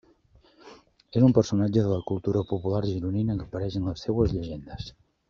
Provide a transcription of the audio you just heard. És un personatge de la cultura popular gironina que apareix en les seues llegendes.